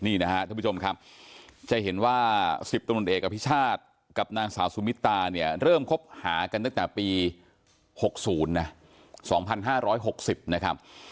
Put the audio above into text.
นี่นะครับท่านผู้ชมครับจะเห็นว่า๑๐ตำรวจเอกอภิชาติกับนางสาวสุมิตาเนี่ยเริ่มคบหากันตั้งแต่ปี๖๐นะ๒๕๖๐นะครับ